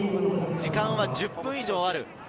時間は１０分以上ある。